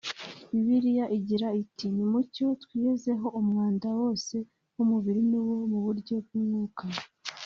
Bibiliya igira iti “ Ni mucyo twiyezeho umwanda wose w’umubiri n’uwo mu buryo bw’umwuka